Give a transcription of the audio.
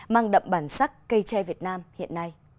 mang đậm bản sắc cây tre việt nam hiện nay